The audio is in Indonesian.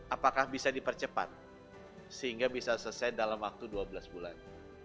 apakah bisa dipercepat sehingga bisa selesai dalam waktu dua belas bulan